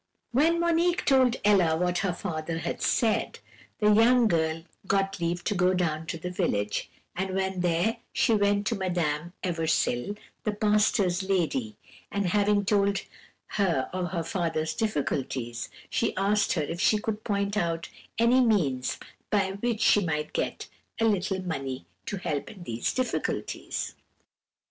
"When Monique told Ella what her father had said, the young girl got leave to go down to the village, and, when there, she went to Madame Eversil, the pastor's lady, and having told her of her father's difficulties, she asked her if she could point out any means by which she might get a little money to help in these difficulties.